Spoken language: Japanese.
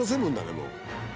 もう。